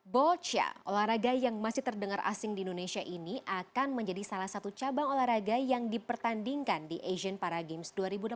bolcha olahraga yang masih terdengar asing di indonesia ini akan menjadi salah satu cabang olahraga yang dipertandingkan di asian para games dua ribu delapan belas